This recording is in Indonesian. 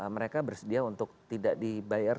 mereka bersedia untuk tidak dibayar